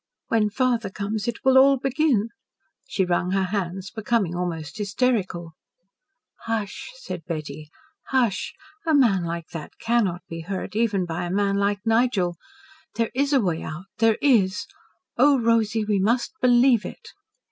When father comes it will all begin." She wrung her hands, becoming almost hysterical. "Hush," said Betty. "Hush! A man like that CANNOT be hurt, even by a man like Nigel. There is a way out there IS. Oh, Rosy, we must BELIEVE it."